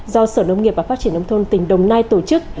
do sở nông nghiệp và phát triển nông thôn tỉnh đồng nai tổ chức